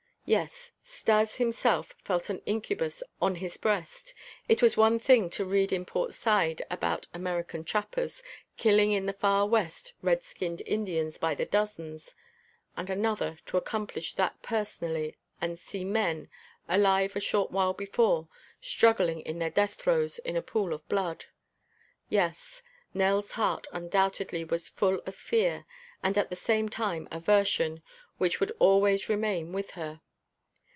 Yes! Stas himself felt an incubus on his breast. It was one thing to read in Port Said about American trappers, killing in the far west red skinned Indians by the dozens, and another to accomplish that personally and see men, alive a short while before, struggling in their death throes, in a pool of blood. Yes, Nell's heart undoubtedly was full of fear and at the same time aversion which would always remain with her.